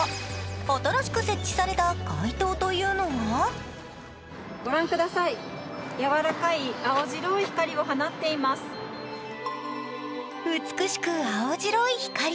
新しく設置された街灯というのが美しく青白い光。